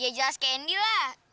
ya jelas candy lah